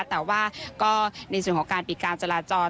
แต่ว่าก็ในส่วนของการปิดการจราจร